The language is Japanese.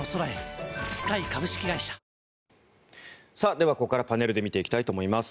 では、ここからパネルで見ていきたいと思います。